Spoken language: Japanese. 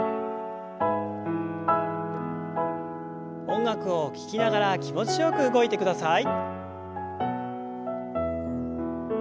音楽を聞きながら気持ちよく動いてください。